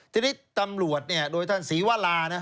ทีนี้ตำรวจเนี่ยโดยท่านศรีวรานะ